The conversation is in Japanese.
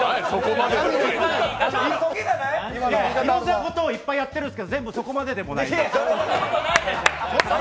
いろんなことをいっぱいやってますけど、全部そこまでではない。